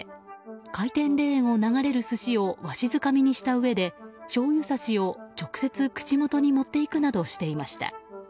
回転レーンを流れる寿司をわしづかみにしたうえでしょうゆさしを直接、口元に持っていくなどしていました。